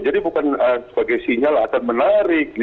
jadi bukan sebagai sinyal akan menarik